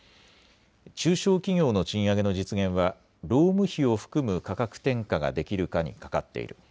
中小企業の賃上げの実現は労務費を含む価格転嫁ができるかにかかっている。